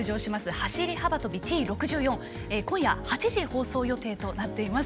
走り幅跳びＴ６４は今夜８時放送予定となっています。